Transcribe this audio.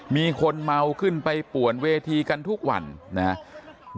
มีคนเมาขึ้นไปป่วนเวทีกันทุกวันนะครับ